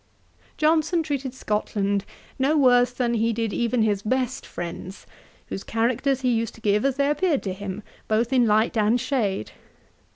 Johnson treated Scotland no worse than he did even his best friends, whose characters he used to give as they appeared to him, both in light and shade.